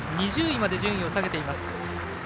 ２０位まで順位を下げています。